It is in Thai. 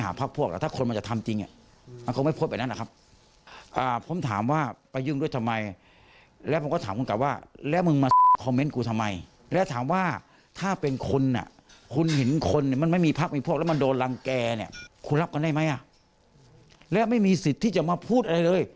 หลังแกเนี่ยคุณรับกันได้ไหมอ่ะและไม่มีสิทธิ์ที่จะมาพูดอะไรเลย